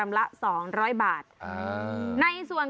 เมนูที่สุดยอด